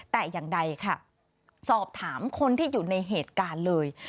แต่อย่างใดค่ะสอบถามคนที่อยู่ในเหตุการณ์เลย